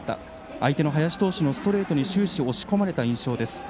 相手の林投手のストレートに終始、押し込まれた印象です。